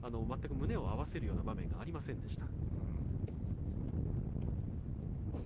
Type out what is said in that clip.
全く胸を合わせる場面がありませんでした。